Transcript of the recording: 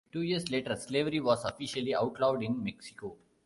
Two years later, slavery was officially outlawed in Mexico.